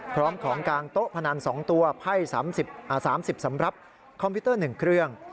พร้อมของกลางโต๊ะพนัน๒ตัวไพ่๓๐สำหรับคอมพิวเตอร์๑เครื่อง